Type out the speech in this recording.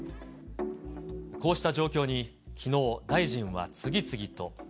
こうした状況にきのう、大臣は次々と。